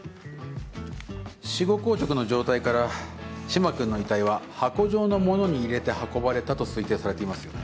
死後硬直の状態から嶋君の遺体は箱状の物に入れて運ばれたと推定されていますよね。